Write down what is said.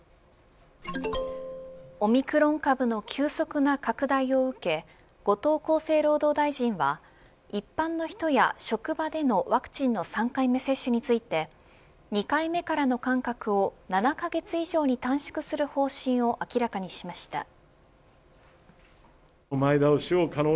オミクロン株の急速な拡大を受け後藤厚生労働大臣は一般の人や職場でのワクチンの３回目接種について２回目からの間隔を７カ月以上に短縮する方針を明らかにしました。